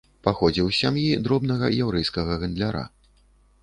Паходзіў з сям'і дробнага яўрэйскага гандляра.